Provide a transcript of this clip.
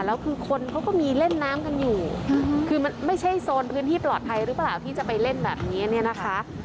แล้วคือคนเขาก็มีเล่นน้ำกันอยู่คือมันไม่ใช่โซนพื้นที่ปลอดภัยหรือเปล่าที่จะไปเล่นแบบนี้เนี่ยนะคะ